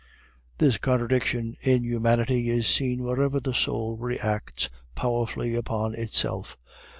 This contradiction in humanity is seen wherever the soul reacts powerfully upon itself.